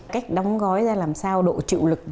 cách đóng gói ra làm sao độ chịu lực làm sao